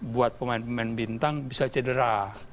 buat pemain pemain bintang bisa cedera